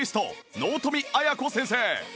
納富亜矢子先生